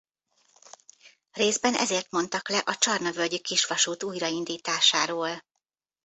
Részben ezért mondtak le a Csarna-völgyi kisvasút újraindításáról.